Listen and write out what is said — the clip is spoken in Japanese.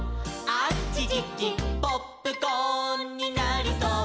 「あちちちポップコーンになりそう」